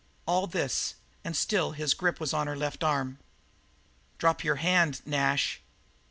All this, and still his grip was on her left arm. "Drop your hand, Nash."